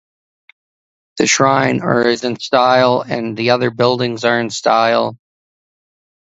The shrine or is in style and the other buildings are in style.